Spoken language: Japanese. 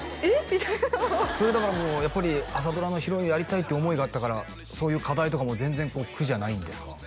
みたいなそれだからやっぱり朝ドラのヒロインをやりたいって思いがあったからそういう課題とかも全然苦じゃないんですか？